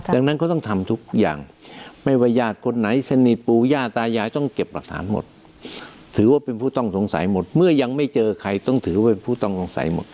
ดังนั้นก็ต้องทำทุกอย่างไม่ว่าญาติคนไหนสนิทปู่ย่าตายายต้องเก็บหลักฐานหมดถือว่าเป็นผู้ต้องสงสัยหมดเมื่อยังไม่เจอใครต้องถือว่าเป็นผู้ต้องสงสัยหมด